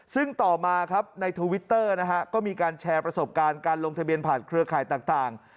ซึ่งต่อมาครับในทวิตเตอร์นะฮะก็มีการแชร์ประสบการณ์การลงทะเบียนผ่านเครือข่ายต่าง